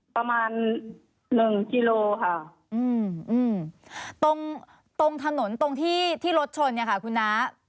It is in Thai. ประมาณหนึ่งกิโลค่ะอืมตรงตรงถนนตรงที่ที่รถชนเนี่ยค่ะคุณน้า